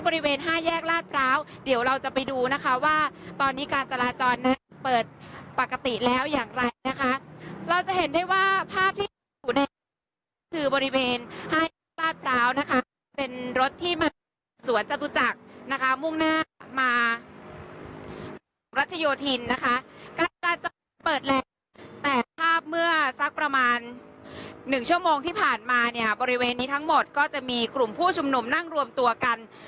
บริเวณห้าแยกลาดพร้าวเดี๋ยวเราจะไปดูนะคะว่าตอนนี้การจราจรนั้นเปิดปกติแล้วอย่างไรนะคะเราจะเห็นได้ว่าภาพที่อยู่ในคือบริเวณห้าแยกลาดพร้าวนะคะเป็นรถที่มาสวนจตุจักรนะคะมุ่งหน้ามารัชโยธินนะคะการจราจรเปิดแล้วแต่ภาพเมื่อสักประมาณหนึ่งชั่วโมงที่ผ่านมาเนี่ยบริเวณนี้ทั้งหมดก็จะมีกลุ่มผู้ชุมนุมนั่งรวมตัวกัน